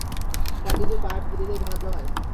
ডান দিকে পাক দিলে ভালো হয়।